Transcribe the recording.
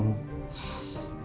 terus yang lama dilupakan ya